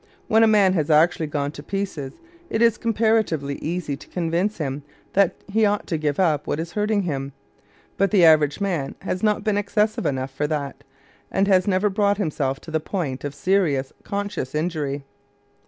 When a man has actually gone to pieces, it is comparatively easy to convince him that he ought to give up what is hurting him; but the average man has not been excessive enough for that, and has never brought himself to the point of serious conscious injury.